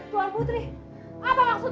tuan putri apa maksudmu